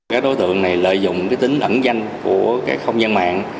các đối tượng này lợi dụng tính ẩn danh của các không gian mạng